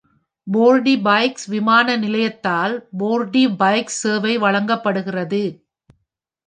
Port-de-Paix விமான நிலையத்தால் Port-de-Paix சேவை வழங்கப்படுகிறது.